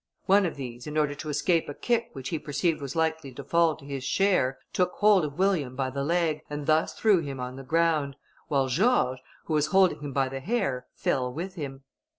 One of these, in order to escape a kick which he perceived was likely to fall to his share, took hold of William by the leg, and thus threw him on the ground, while George, who was holding him by the hair, fell with him.